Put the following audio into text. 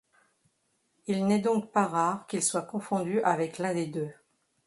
Il n'est donc pas rare qu'il soit confondu avec l'un des deux.